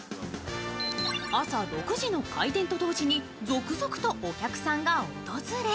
朝６時の開店と同時に続々とお客さんが訪れ